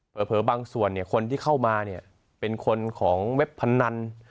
เผลอบางส่วนคนที่เข้ามาเป็นคนของเว็บพันธ์นัน